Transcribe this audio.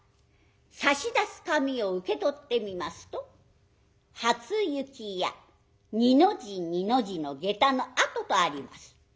差し出す紙を受け取ってみますと「初雪や二の字二の字の下駄の跡」とあります。